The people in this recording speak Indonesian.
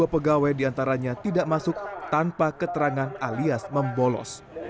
dua puluh pegawai diantaranya tidak masuk tanpa keterangan alias membolos